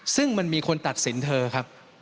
ซึ่งมันมีคนตัดสินเธอครับ